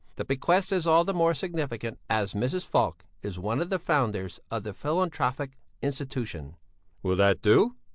The bequest is all the more significant as Mrs. Falk is one of the founders of the philanthropic institution." "Will that do?"